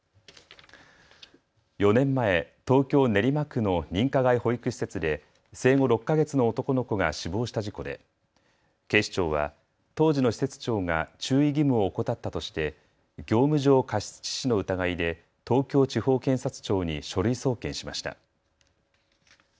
４年前、東京練馬区の認可外保育施設で生後６か月の男の子が死亡した事故で警視庁は当時の施設長が注意義務を怠ったとして業務上過失致死の疑いで東京地方検察庁に書類送検しました。